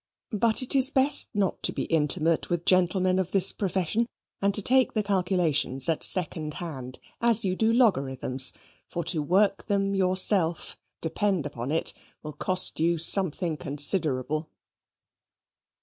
But it is best not to be intimate with gentlemen of this profession and to take the calculations at second hand, as you do logarithms, for to work them yourself, depend upon it, will cost you something considerable.